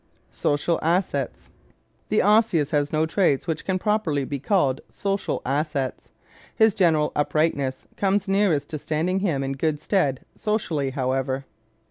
Social Assets ¶ The Osseous has no traits which can properly be called social assets. His general uprightness comes nearest to standing him in good stead socially, however.